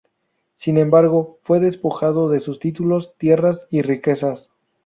Sin embargo, fue despojado de sus títulos, tierras y riquezas.